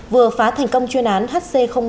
vừa phá thành công chuyên án hc một